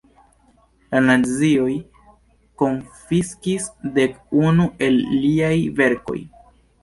La nazioj konfiskis dek unu el liaj verkoj.